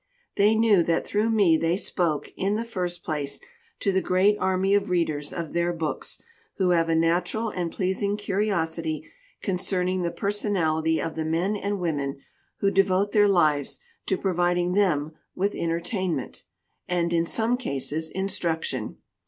They knew that through me they spoke, in the first place, to the great army of readers of their books who have a natural and pleasing curiosity concerning the personality of the men and women who devote their lives to providing them with entertainment, and, in some cases, instruction.